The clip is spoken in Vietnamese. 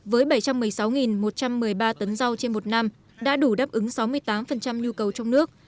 với bảy trăm một mươi sáu một trăm một mươi ba tấn rau trên một năm đã đủ đáp ứng sáu mươi tám nhu cầu trong nước